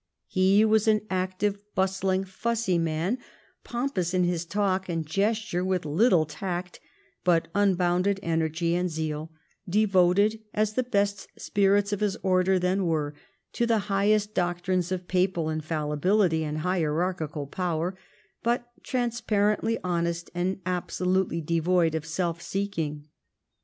He was an active, bustling, fussy man, pompous in his talk and gesture, with little tact, but unbounded energy and zeal, devoted, as the best spirits of his order then were, to the highest doctrines of papal infallibility and hierarchical power, but transparently honest and absolutely devoid of self seeking.